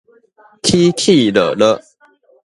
起起落落